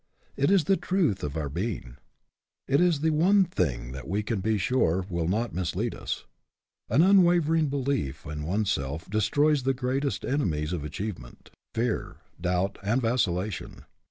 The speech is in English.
It is the truth of our 'being. It is the one thing that we can be sure will not mislead us. An unwavering belief in oneself destroys the greatest enemies of achievement, fear, doubt, and vacillation.